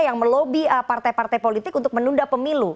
yang melobi partai partai politik untuk menunda pemilu